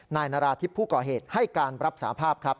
นายนาราธิบผู้ก่อเหตุให้การรับสาภาพครับ